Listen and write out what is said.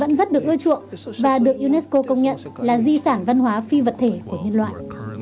loại hình nghệ thuật được ưa chuộng và được unesco công nhận là di sản văn hóa phi vật thể của nhân loại